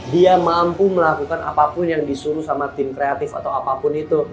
dia mampu melakukan apapun yang disuruh sama tim kreatif atau apapun itu